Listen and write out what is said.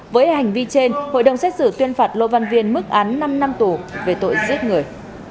với hành vi trên hội đồng xét xử tuyên phạt lô văn viên mức án năm năm tù về tội giết người